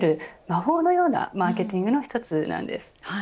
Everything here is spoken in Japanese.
魔法のようなマーケティングの一つなんです。